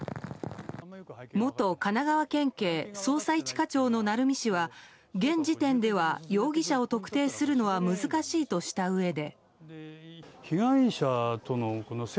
元神奈川県警捜査１課長の鳴海氏は現時点では容疑者を特定するのは難しいとしたうえで。